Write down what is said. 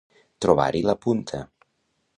Trobar-hi la punta.